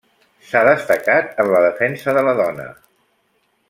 S'ha destacat en la defensa de la dona.